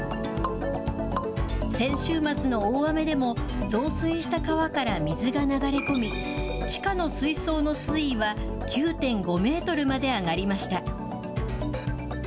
先週末の大雨でも、増水した川から水が流れ込み、地下の水槽の水位は９．５メートルまで上がりました。